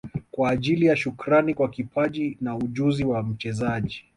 Kwa ajili ya Shukrani kwa kipaji na ujuzi wa mchezaji